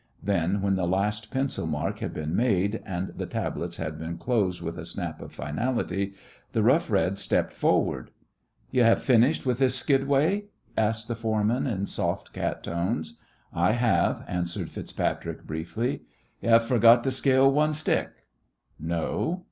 Then, when the last pencil mark had been made, and the tablets had been closed with a snap of finality, the Rough Red stepped forward. "Ye have finished with this skidway?" asked the foreman in soft cat tones. "I have," answered FitzPatrick, briefly. "Yo' have forgot to scale one stick." "No."